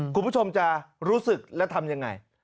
คุณผู้ชมจะรู้สึกและทำยังไง